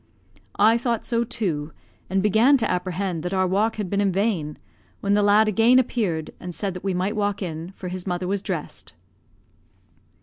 I thought so too, and began to apprehend that our walk had been in vain, when the lad again appeared, and said that we might walk in, for his mother was dressed.